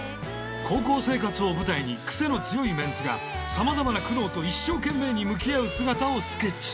高校生活を舞台に癖の強いメンツがさまざまな苦悩と一生懸命に向き合う姿をスケッチ！